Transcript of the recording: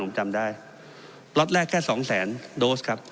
ผมจำได้ล็อตแรกแค่สองแสนโดสครับ